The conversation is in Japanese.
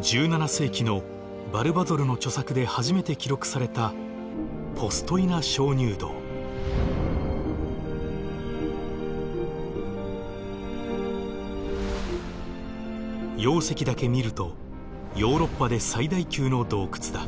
１７世紀のヴァルヴァゾルの著作で初めて記録された容積だけ見るとヨーロッパで最大級の洞窟だ。